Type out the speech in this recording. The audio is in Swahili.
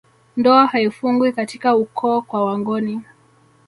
Ndoa haifungwi katika ukoo kwa wangoni